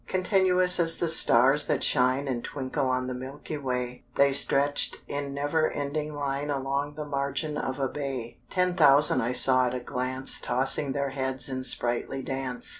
Continuous as the stars that shine And twinkle on the milky way, They stretch'd in never ending line Along the margin of a bay: Ten thousand saw I at a glance Tossing their heads in sprightly dance.